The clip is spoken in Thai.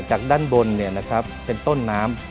จากด้านบนเป็นต้นน้ำ